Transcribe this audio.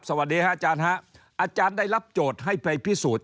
สวัสดีค่ะอาจารย์ฮะอาจารย์ได้รับโจทย์ให้ไปพิสูจน์